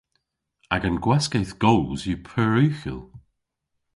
Agan gwaskedh goos yw pur ughel.